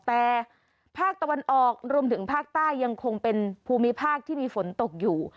แต่ภาคตะวันออกรวมถึงภาคใต้ยังคงเป็นภูมิภาคที่มีฝนตกอยู่